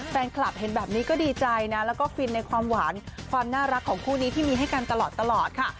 แฟนคลับเห็นแบบนี้ก็ดีใจนะแล้วก็ฟินในความหวานความน่ารักของคู่นี้ที่มีให้กันตลอดค่ะ